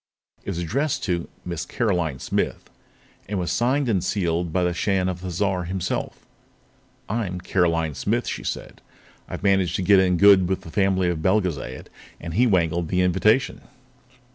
It was addressed to "Miss Caroline Smith" and was signed and sealed by the Shan of Thizar himself. "I'm 'Caroline Smith'," she said. "I've managed to get in good with the family of Belgezad, and he wangled the invitation.